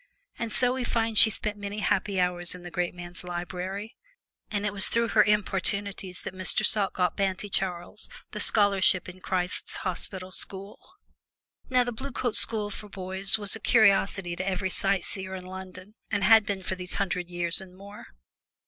And so we find she spent many happy hours in the great man's library; and it was through her importunities that Mr. Salt got banty Charles the scholarship in Christ's Hospital School. Now the Blue Coat boys are a curiosity to every sight seer in London and have been for these hundred years and more.